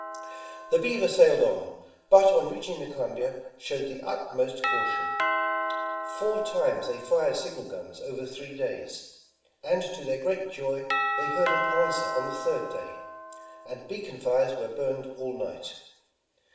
The Beaver sailed on, but on reaching the Columbia showed the utmost caution. Four times they fired sig nal guns over three days, and to their great joy they heard an answer on the third day, and beacon fires were burned all night.